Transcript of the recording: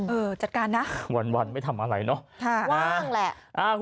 จัดการนะวันไม่ทำอะไรเนอะว่างแหละ